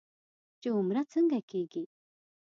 چې عمره څنګه کېږي.